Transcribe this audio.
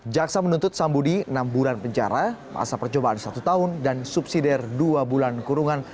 jaksa menuntut sambudi enam bulan penjara masa percobaan satu tahun dan subsidi dua bulan kurungan